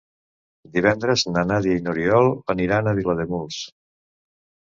Divendres na Nàdia i n'Oriol aniran a Vilademuls.